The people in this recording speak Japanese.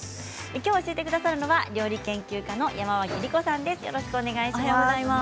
きょう教えてくださるのは料理研究家の山脇りこさんです。